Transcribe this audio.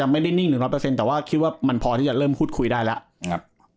ไม่ได้นิ่ง๑๐๐แต่ว่าคิดว่ามันพอที่จะเริ่มพูดคุยได้แล้ว